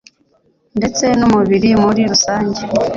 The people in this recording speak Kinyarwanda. ndetse n'umubiri muri rusange.